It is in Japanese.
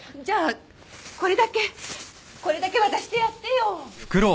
じゃあこれだけこれだけ渡してやってよ。